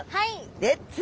レッツ。